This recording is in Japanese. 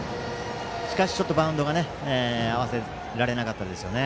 しかしバウンドに合わせられなかったですね。